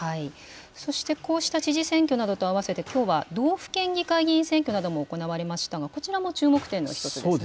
そして、こうした知事選挙などと合わせて、きょうは道府県議会議員選挙なども行われましたが、こちらも注目点の一つですね。